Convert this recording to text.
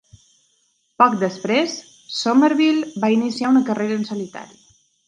Poc després, Somerville va iniciar una carrera en solitari.